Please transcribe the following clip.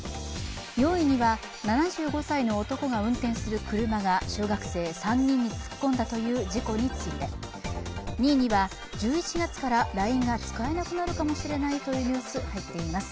４位には７５歳の男が運転する車が小学生３任意突っ込んだという事故について、２位には１１月からＬＩＮＥが使えなくなるかもしれないというニュースが入っています。